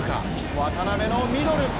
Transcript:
渡辺のミドル！